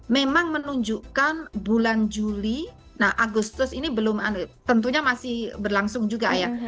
memang menunjukkan bulan juli nah agustus ini belum tentunya masih berlangsung juga ya